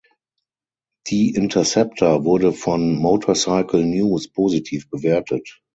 Die Interceptor wurde von Motorcycle News positiv bewertet.